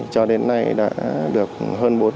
cho đến nay đã được hơn bốn năm